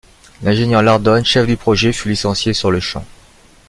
L'ingénieur Lardone, chef du projet, fut licencié sur-le-champ.